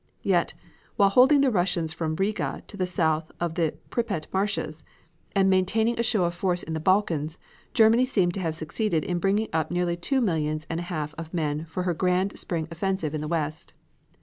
Yet, while holding the Russians from Riga to the south of the Pripet Marshes, and maintaining a show of force in the Balkans, Germany seems to have succeeded in bringing up nearly two millions and a half of men for her grand spring offensive in the west.